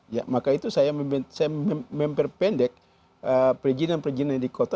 ya maka itu saya memperpendek perizinan perizinan di kota